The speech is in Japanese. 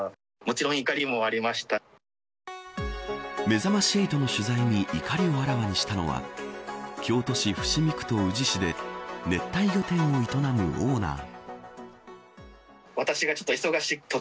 めざまし８の取材に怒りをあらわにしたのは京都市伏見区と宇治市で熱帯魚店を営むオーナー。